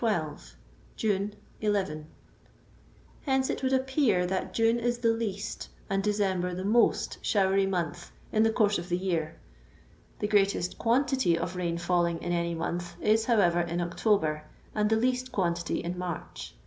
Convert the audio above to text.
12 June 11 Hence it would appear that June is the least and December the most showery month in the course of the year ; the greatest quantity of rain fiiUing in any month is, however, in October, and the least quantity in March.